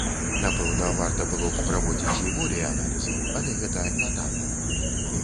Напэўна, варта было б праводзіць і болей аналізаў, але гэта нятанна.